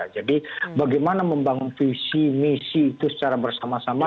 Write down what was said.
jadi bagaimana membangun visi misi itu secara bersama sama